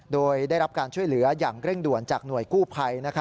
โดยได้รับการช่วยเหลืออย่างเร่งด่วนจากหน่วยกู้ภัย